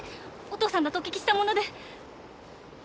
お父さんだとお聞きしたもので。